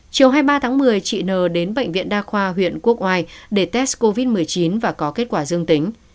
chiều hai mươi ba tháng một mươi chị n đến bệnh viện đa khoa huyện quốc oai để test covid một mươi chín và có kết quả dương tính